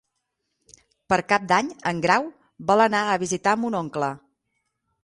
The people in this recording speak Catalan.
Per Cap d'Any en Grau vol anar a visitar mon oncle.